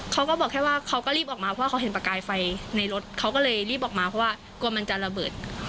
เขาก็บอกแค่ว่าเขาก็รีบออกมาเพราะเขาเห็นประกายไฟในรถเขาก็เลยรีบออกมาเพราะว่ากลัวมันจะระเบิด